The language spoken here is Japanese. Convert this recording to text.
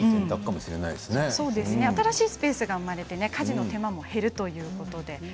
新しいスペースが生まれて家事の手間も減るということで。